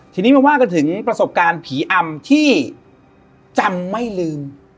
ทีนี้มาว่ากันถึงประสบการณ์ผีอำที่จำไม่ลืม